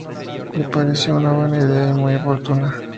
Le pareció una buena idea y muy oportuna.